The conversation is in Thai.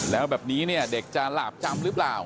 แล้วแบบนี้เนี่ยเด็กจะหลาบจำหรือเปล่า